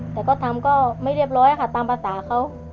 แต่ก็ทำก็ไม่เรียบร้อยค่ะตามภาษาเขา